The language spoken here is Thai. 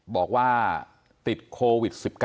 บอกว่าติดโควิด๑๙